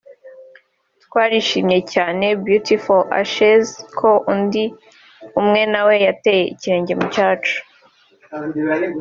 Twarishimye cyane (Beauty For Ashes) ko undi umwe nawe yateye ikirenge mu cyacu